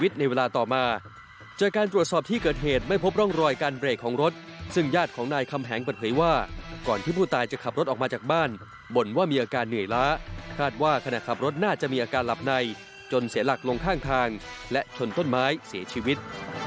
ต้นไม้สีอาวุธเสียหลักทางทางและชนต้นไม้เสียชีวิต